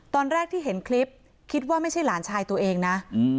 ตอนแรกที่เห็นคลิปคิดว่าไม่ใช่หลานชายตัวเองนะ